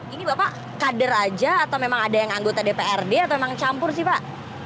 ini bapak kader aja atau memang ada yang anggota dprd atau memang campur sih pak